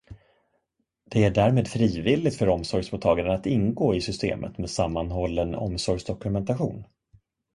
Det är därmed frivilligt för omsorgsmottagaren att ingå i systemet med sammanhållen omsorgsdokumentation.